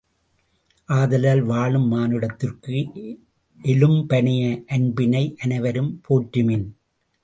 ஆதலால், வாழும் மானுடத்திற்கு எலும்பனைய அன்பினை அனைவரும் போற்றுமின்!